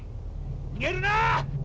逃げるな！